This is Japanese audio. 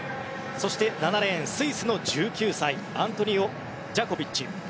そして７レーンスイスの１９歳アントニオ・ジャコビッチ。